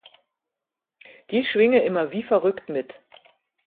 Dies schwinge immer wie verrückt mit.